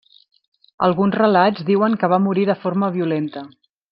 Alguns relats diuen que va morir de forma violenta.